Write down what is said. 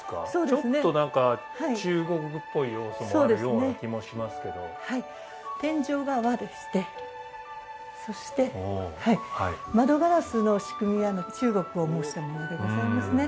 ちょっと何か中国っぽい要素もあるような気もしますけど天井が和でしてそして窓ガラスの仕組みは中国を模したものでございますね